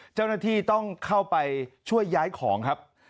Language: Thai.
เจ้าหน้าที่ต้องเข้าไปช่วยย้ายของครับ